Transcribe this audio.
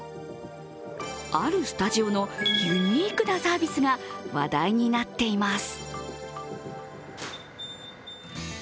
あるスタジオのユニークなサービスが話題になっています。